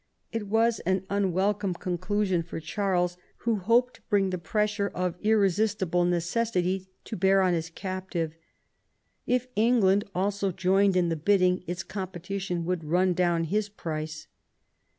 It was an unwelcome con clusion for Charles, who hoped* to bring the pressure of 118 THOMAS WOLSEY ohap. irresistible necessity to bear on his captive. If England also joined in the bidding its competition would run down his price.